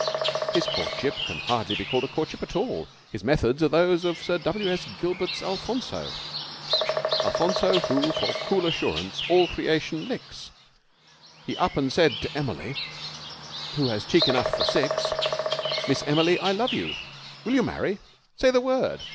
His courtship can hardly be called a courtship at all. His methods are those of Sir W. S. Gilbert's Alphonso. "Alphonso, who for cool assurance all creation licks, He up and said to Emily who has cheek enough for six: 'Miss Emily, I love you. Will you marry? Say the word!'